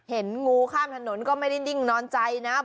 เห็นงูข้ามถนนก็ไม่ได้นิ่งนอนใจนะ